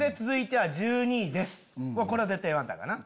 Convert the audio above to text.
続いては１２位です。